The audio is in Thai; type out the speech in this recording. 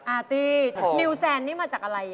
อาร์ตี้นิวแซนนี่มาจากอะไร